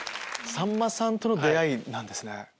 さんまさんとの出会いなんですね。